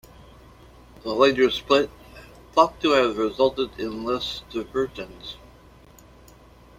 The later split thought to have resulted in less divergence.